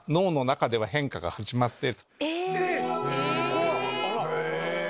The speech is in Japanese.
怖っ！